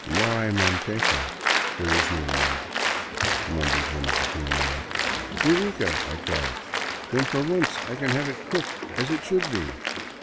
" Now hay manteca — there is no lard," mumbled one of the fe males. " Eureka !" I cried, " Then for once I can have it cooked as it should be."